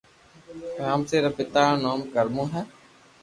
رامسي رآ پيتا رو نو ڪرمون ھي